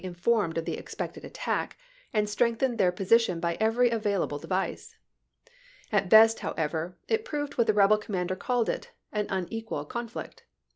informed of the expected attack, and strengthened their position by every available device. At best, however, it proved what the rebel com mander called it, an unequal conflict.